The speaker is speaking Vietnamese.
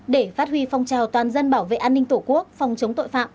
để phát huy phong trào toàn dân bảo vệ an ninh tổ quốc phòng chống tội phạm